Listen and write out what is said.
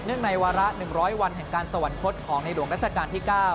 ในวาระ๑๐๐วันแห่งการสวรรคตของในหลวงรัชกาลที่๙